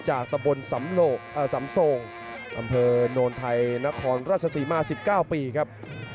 จากตะบนสำโสงอำเภอโนนไทยนับธรรมราชสีมา๑๙ปีครับ